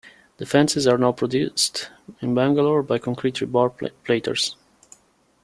The fences are now produced in Bangalore by concrete rebar plaiters.